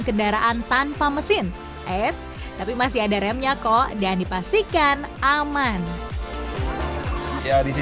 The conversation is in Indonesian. kendaraan tanpa mesin eits tapi masih ada remnya kok dan dipastikan aman ya di